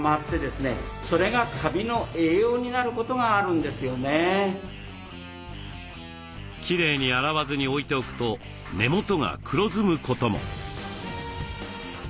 いやいやきれいに洗わずに置いておくと根元が黒ずむことも。